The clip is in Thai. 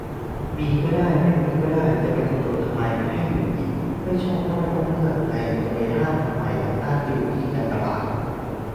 มีก็ได้ ไม่มีก็ได้ จะไปกำหนดทำไมให้หยุมหยิม ไม่ชอบก็ไม่ต้องเลือกไง จะไปห้ามทำไม อำนาจก็อยู่ที่กากบาท